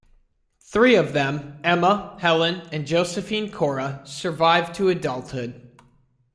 Three of them - Emma, Helen, and Josephine Cora - survived to adulthood.